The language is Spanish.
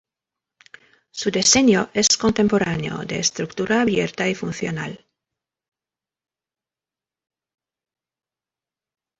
Su diseño es contemporáneo, de estructura abierta y funcional.